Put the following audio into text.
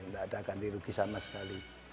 nggak ada ganti rugi sama sekali